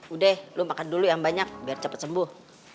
udah lo makan dulu yang banyak biar cepet sembuh